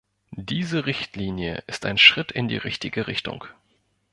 Diese Richtlinie ist ein Schritt in die richtige Richtung.